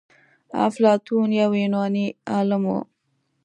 افلاطون يو يوناني عالم و.